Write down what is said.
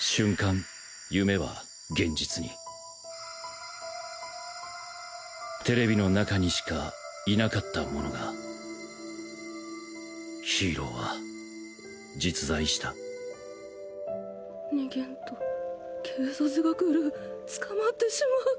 瞬間夢は現実にテレビの中にしかいなかったものがヒーローは実在した逃げんと警察が来る捕まってしまう。